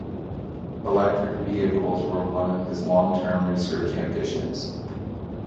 Electric vehicles were one of his long-term research ambitions.